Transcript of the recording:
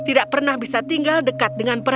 aku tidak pernah bisa tinggal dekat dengan perang